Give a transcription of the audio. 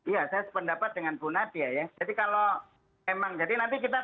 ya saya sependapat dengan bu nadia ya